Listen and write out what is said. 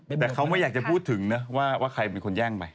แต่เขาไม่อยากจะพูดถึงนะว่าใครเป็นคนแย่งไป